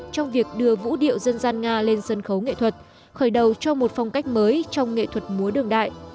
trong việc đưa vũ điệu dân gian nga lên sân khấu nghệ thuật khởi đầu cho một phong cách mới trong nghệ thuật múa đường đại